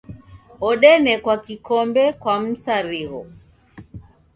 Odenekwa kikombe kwa msarigho